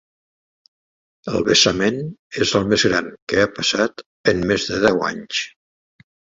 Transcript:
El vessament és el més gran que ha passat en més de deu anys.